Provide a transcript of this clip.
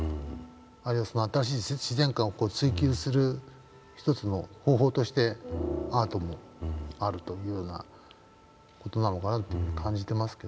あるいはその新しい自然観を追求する一つの方法としてアートもあるというような事なのかなと感じてますけどね。